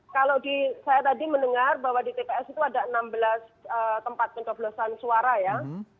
kalau saya tadi mendengar bahwa di tps itu ada enam belas tempat pencoblosan suara ya